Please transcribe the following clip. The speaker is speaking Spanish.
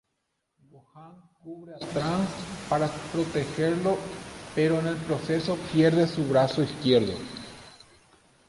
Gohan cubre a Trunks para protegerlo pero en el proceso pierde su brazo izquierdo.